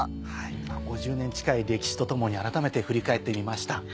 ５０年近い歴史と共に改めて振り返ってみました。